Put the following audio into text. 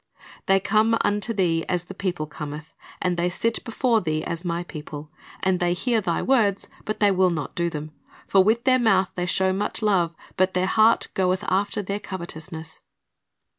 "They come unto thee as the people cometh, and they sit before thee as My people, and they hear thy words, but they will not do them; for with their mouth they show much love, but their heart goeth after their covetousness."